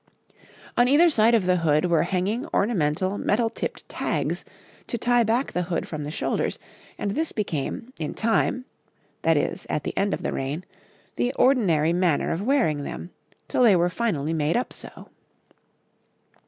On either side of the hood were hanging ornamental metal tipped tags to tie back the hood from the shoulders, and this became, in time that is, at the end of the reign the ordinary manner of wearing them, till they were finally made up so.